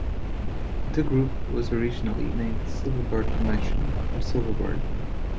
The group was originally named Silver Bird Convention or Silver Bird.